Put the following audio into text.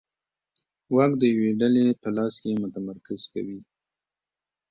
واک د یوې ډلې په لاس کې متمرکز کوي